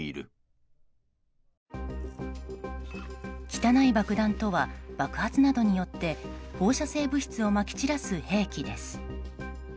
汚い爆弾とは爆発などによって放射性物質をまき散らす兵器です。